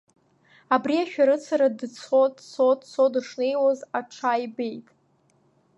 Абри ашәарыцара дыцо, дыцо, дыцо дышнеиуаз, аҽа ибеит.